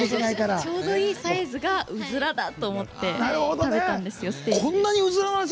ちょうどいいサイズがうずらだ！と思って食べたんですよ、ステージで。